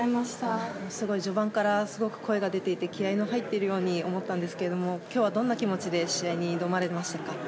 序盤からすごく声が出ていて気合の入っているように思ったんですけれども今日はどんな気持ちで試合に挑まれましたか？